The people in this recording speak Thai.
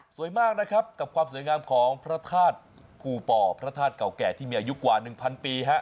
มากนะครับกับความสวยงามของพระธาตุภูป่อพระธาตุเก่าแก่ที่มีอายุกว่า๑๐๐ปี